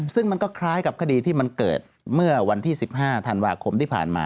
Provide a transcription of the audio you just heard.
ซึ่งมันก็คล้ายกับคดีที่มันเกิดเมื่อวันที่๑๕ธันวาคมที่ผ่านมา